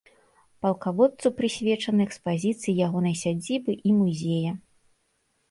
Палкаводцу прысвечаны экспазіцыі ягонай сядзібы і музея.